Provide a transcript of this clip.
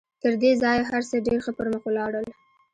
تر دې ځايه هر څه ډېر ښه پر مخ ولاړل.